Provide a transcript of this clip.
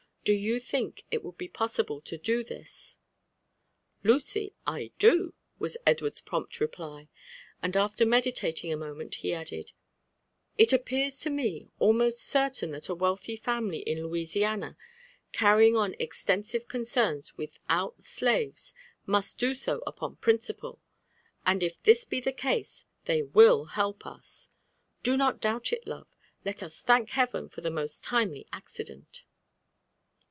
So you think it would be possible to do this ?" '*Lucy, I do," was Edward's prompt reply; and after meditating a moment he added,— ^* It appears to me almost certain that a wealthy family in Louisiana, carrying on extensive concerns without slaves, must do so upon principle ; and if this be the case, they will help us. — *Do not doid)t it, love ! ^let us thank Heaven for this most timely aeddeat!'